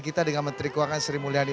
kita dengan menteri keuangan sri mulyani